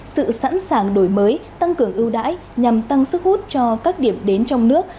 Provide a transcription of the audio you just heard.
sự sẵn sàng đổi mới tăng cường ưu đãi nhằm tăng sức hút cho các điểm đến trong nước